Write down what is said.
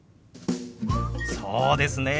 そうですね。